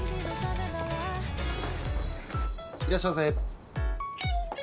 いらっしゃいませ。